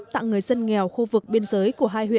tặng người dân nghèo khu vực biên giới của hai huyện